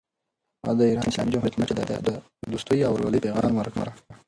هغه د ایران اسلامي جمهوریت مشر ته د دوستۍ او ورورولۍ پیغام ورکړ.